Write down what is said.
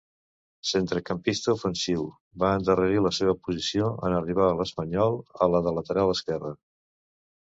Centrecampista ofensiu, va endarrerir la seva posició en arribar l'Espanyol a la de lateral esquerre.